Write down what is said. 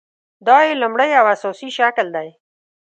دا یې لومړۍ او اساسي شکل دی.